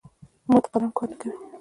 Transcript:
مات قلم کار نه کوي.